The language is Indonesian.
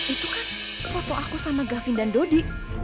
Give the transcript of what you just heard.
itu kan foto aku sama gavin dan dodi